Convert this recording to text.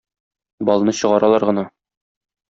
Балны чыгаралар гына.